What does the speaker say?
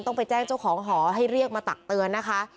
ต้องไปแจ้งเจ้าของหอให้เรียกมาตักเตือนนะคะ